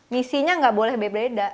misinya tidak boleh berbeda